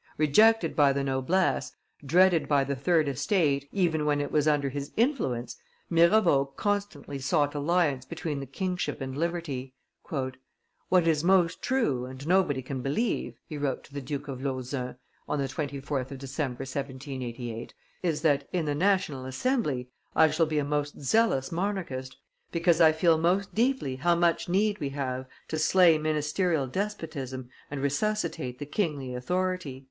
Rejected by the noblesse, dreaded by the third estate, even when it was under his influence, Mirabeau constantly sought alliance between the kingship and liberty. "What is most true and nobody can believe," he wrote to the Duke of Lauzun on the 24th of December, 1788, "is that, in the National Assembly, I shall be a most zealous monarchist, because I feel most deeply how much need we have to slay ministerial despotism and resuscitate the kingly authority."